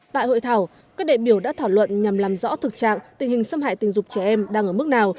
tại hội thảo các đệ biểu đã thảo luận nhằm làm rõ thực trạng tình hình xâm hại tình dục trẻ em đang ở mức nào